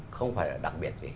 không phải là đặc biệt gì